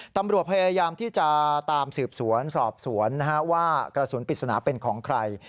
ตำรวจพยายามที่จะตามสืบสวนสอบสวนว่ากระสุนปริศนาเป็นของใคร